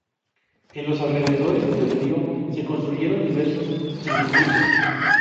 En los alrededores del río se construyeron diversos chiringuitos.